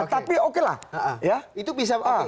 tapi oke lah